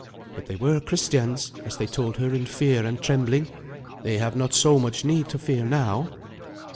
But they were Christians, as they told her in fear and trembling. They have not so much need to fear now."